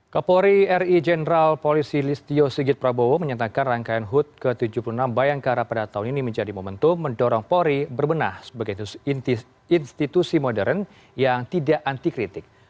kapolri ri jenderal polisi listio sigit prabowo menyatakan rangkaian hut ke tujuh puluh enam bayangkara pada tahun ini menjadi momentum mendorong polri berbenah sebagai institusi modern yang tidak anti kritik